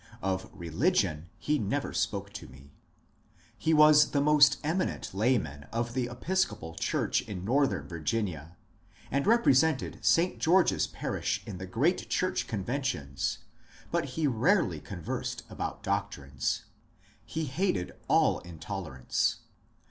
Of religion he never spoke to me. He was the most eminent layman of the Episcopal 42 MONCURE DANIEL CONWAY Church in northern Virginia, and represented St. George's parish in the great church conventions, but he rarely conversed about doctrines. He hated all intolerance.